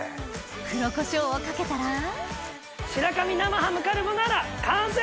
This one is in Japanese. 黒コショウをかけたら白神生ハムカルボナーラ完成です！